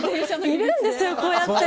いるんですよ。